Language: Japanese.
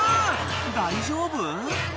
［大丈夫？］